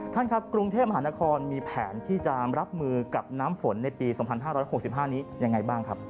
ท่านครับกรุงเทพมหานครมีแผนที่จะรับมือกับน้ำฝนในปี๒๕๖๕นี้ยังไงบ้างครับ